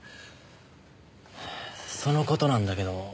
その事なんだけど。